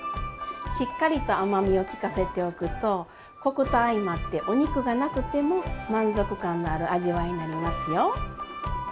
しっかりと甘みをきかせておくとコクと相まってお肉がなくても満足感のある味わいになりますよ。